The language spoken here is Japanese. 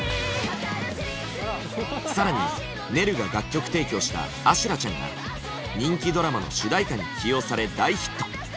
更にＮｅｒｕが楽曲提供した「阿修羅ちゃん」が人気ドラマの主題歌に起用され大ヒット。